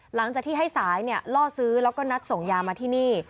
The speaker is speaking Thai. หลังจากที่ให้สายล่อซื้อแล้วก็นัดส่งยามาที่นี่